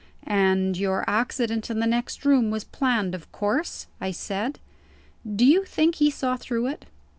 "And your accident in the next room was planned, of course?" I said. "Do you think he saw through it?